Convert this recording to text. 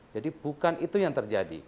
bukan itu yang terjadi